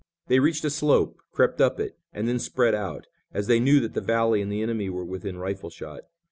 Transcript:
They reached a slope, crept up it, and then spread out, as they knew that the valley and the enemy were within rifle shot.